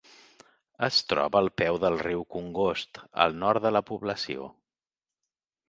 Es troba al peu del riu Congost, al nord de la població.